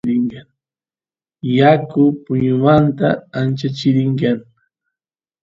yaku puñumanta ancha churi kan